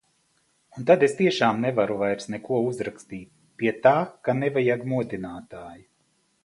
Un tad es tiešām nevaru vairs neko uzrakstīt. Pie tā, ka nevajag modinātāju.